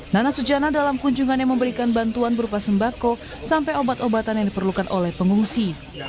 nana sujana dalam kunjungannya memberikan bantuan berupa sembako sampai obat obatan yang diperlukan oleh pengungsi